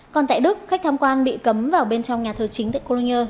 còn tại đức khách tham quan bị cấm vào bên trong nhà thờ chính tại cologner